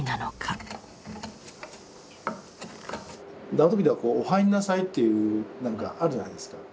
縄跳びでは「お入んなさい」っていうなんかあるじゃないですか。